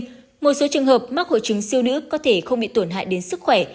nhưng một số trường hợp mắc hội chứng siêu nữ có thể không bị tổn hại đến sức khỏe